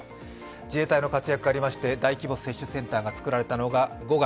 自衛隊の活躍がありまして大規模接種センターが作られたのが５月。